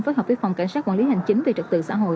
phối hợp với phòng cảnh sát quản lý hành chính về trật tự xã hội